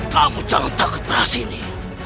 kamu jangan takut prasini